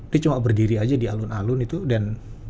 dia cuma berdiri aja di alun alun itu dan